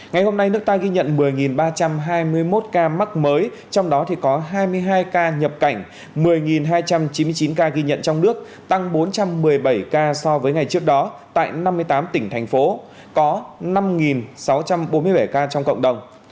ngày hôm nay nước ta ghi nhận một mươi ba trăm hai mươi một ca mắc mới trong đó có hai mươi hai ca nhập cảnh một mươi hai trăm chín mươi chín ca ghi nhận trong nước tăng bốn trăm một mươi bảy ca so với ngày trước đó tại năm mươi tám tỉnh thành phố có năm sáu trăm bốn mươi bảy ca trong cộng đồng